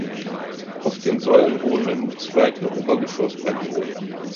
Auf den Säulen ruhen im zweiten Obergeschoss Balkone.